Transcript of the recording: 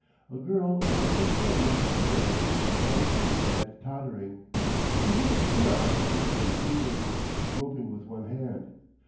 A girl not yet twenty stood there, white faced and tottering. She loosed the knob and swayed weakly, groping with one hand.